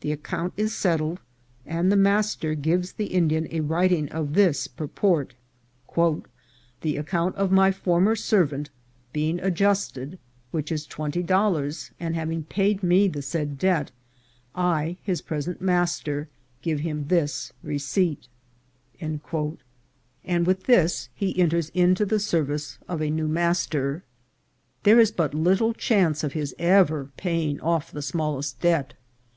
The account is settled, and the master gives the Indian a writing of this purport: " The account of my former servant being adjusted, which is twenty dollars, and having paid me the said debt, I, his pres ent master, give him this receipt ;" and with this he 416 INCIDENTS OF TRAVEL. enters into the service of a new master. There is but little chance of his ever paying off the smallest debt.